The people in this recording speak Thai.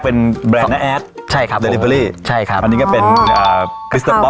โอ้นี่ดีจังเลยไอดอล